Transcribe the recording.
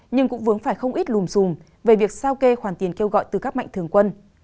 nhưng cũng vướng phải không ít lùm xùm về việc sao kê khoản tiền kêu gọi từ các mạnh thường quân